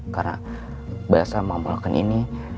karena bayi elsa mengamalkan ini